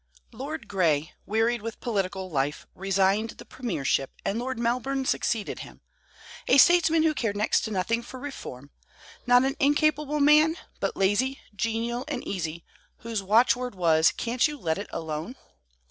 Lord Grey, wearied with political life, resigned the premiership, and Lord Melbourne succeeded him, a statesman who cared next to nothing for reform; not an incapable man, but lazy, genial, and easy, whose watchword was, "Can't you let it alone?"